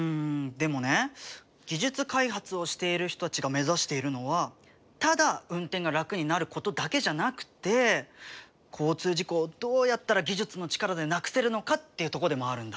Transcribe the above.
でもね技術開発をしている人たちが目指しているのはただ運転が楽になることだけじゃなくて交通事故をどうやったら技術の力で無くせるのかっていうとこでもあるんだ。